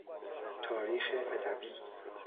تاریخ ادبی